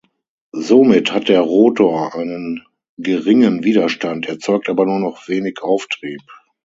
Somit hat der Rotor einen geringen Widerstand, erzeugt aber nur noch wenig Auftrieb.